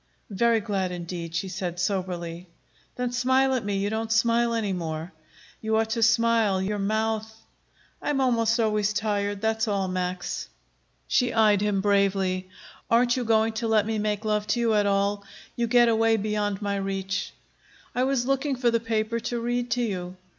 "Very glad, indeed," she said soberly. "Then smile at me. You don't smile any more. You ought to smile; your mouth " "I am almost always tired; that's all, Max." She eyed him bravely. "Aren't you going to let me make love to you at all? You get away beyond my reach." "I was looking for the paper to read to you."